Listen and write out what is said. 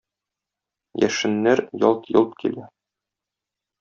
Яшеннәр ялт-йолт килә.